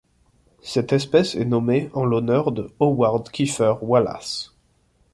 Cette espèce est nommée en l'honneur de Howard Keefer Wallace.